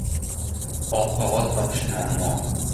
Oq qog‘oz topish muammo.